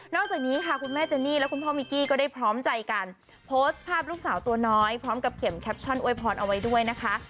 จากนี้ค่ะคุณแม่เจนี่และคุณพ่อมิกกี้ก็ได้พร้อมใจกันโพสต์ภาพลูกสาวตัวน้อยพร้อมกับเข็มแคปชั่นอวยพรเอาไว้ด้วยนะคะ